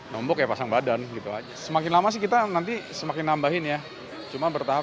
nombok ya pasang badan gitu aja semakin lama sih kita nanti semakin nambahin ya cuma bertahap